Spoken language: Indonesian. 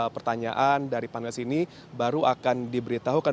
pertanyaan dari panelis ini baru akan diberitahukan